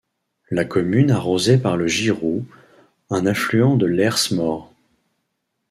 La commune arrosée par le Girou un affluent de l'Hers-Mort.